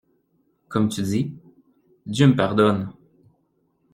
Comme tu dis, Dieu me pardonne!